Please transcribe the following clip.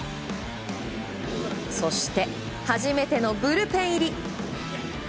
そして、初めてのブルペン入り。